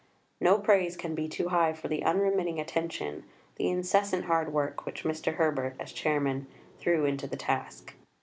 No praise can be too high for the unremitting attention, the incessant hard work which Mr. Herbert, as Chairman, threw into the task.